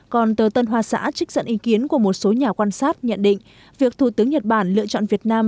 còn tờ tân hoa xã trích dẫn ý kiến của một số nhà quan sát nhận định việc thủ tướng nhật bản lựa chọn việt nam